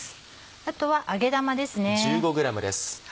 あとは揚げ玉ですね。